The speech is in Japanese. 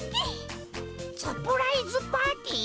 サプライズパーティー？